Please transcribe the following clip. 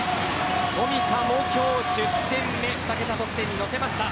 富田も今日１０点目２桁得点に乗せました。